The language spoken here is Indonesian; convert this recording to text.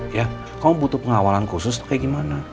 ya kamu butuh pengawalan khusus tuh kayak gimana